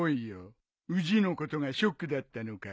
ウジのことがショックだったのかい？